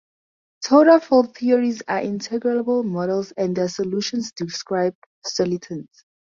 Toda field theories are integrable models and their solutions describe solitons.